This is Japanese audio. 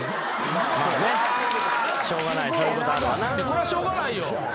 これはしょうがないよ。